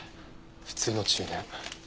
普通の中年。